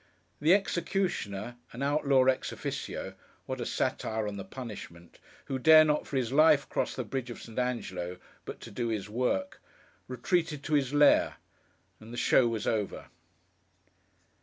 The executioner: an outlaw ex officio (what a satire on the Punishment!) who dare not, for his life, cross the Bridge of St. Angelo but to do his work: retreated to his lair, and the show was over.